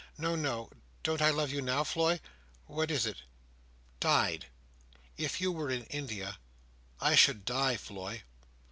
"No, no. Don't I love you now, Floy? What is it?—Died. If you were in India, I should die, Floy."